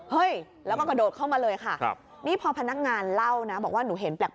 เฮ้ยแล้วก็กระโดดเข้ามาเลยค่ะครับนี่พอพนักงานเล่านะบอกว่าหนูเห็นแปลก